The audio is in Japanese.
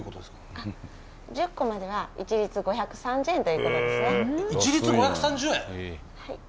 あっ１０個までは一律５３０円ということですねえっ